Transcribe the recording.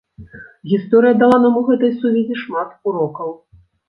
Гісторыя дала нам у гэтай сувязі шмат урокаў.